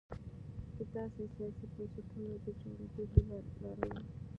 د داسې سیاسي بنسټونو د جوړېدو هیله لرله.